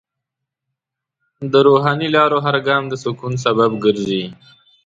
د روحاني لارو هر ګام د سکون سبب ګرځي.